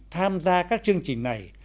tham gia các chương trình này